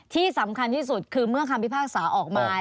ที่สำคัญที่สุดคือเมื่อคำพิพากษาออกมา